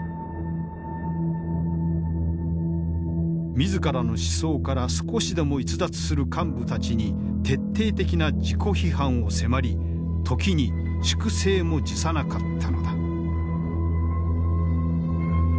自らの思想から少しでも逸脱する幹部たちに徹底的な自己批判を迫り時に粛清も辞さなかったのだ。